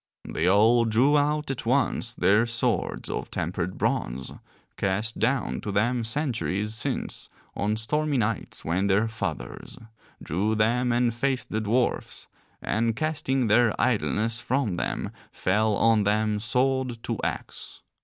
They all drew out at once their swords of tempered bronze, cast down to them centuries since on stormy nights when their fathers, drew them and faced the dwarfs, and casting their idleness from them, fell on them, sword to axe.